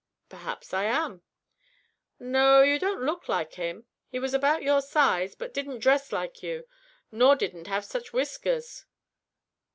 "Perhaps I am." "No; you don't look like him. He was about your size, but didn't dress like you, nor didn't have such whiskers."